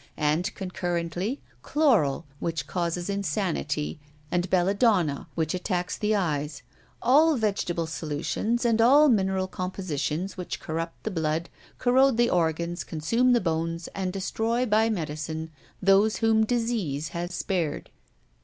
And concurrently, chloral, which causes insanity, and belladonna, which attacks the eyes; all vegetable solutions and all mineral compositions which corrupt the blood, corrode the organs, consume the bones, and destroy by medicine those whom disease has spared."